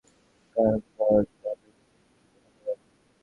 একই সঙ্গে পুনরায় সড়কে ট্রাক-কাভার্ড ভ্যান রাখা থেকে বিরত রাখা যাবে।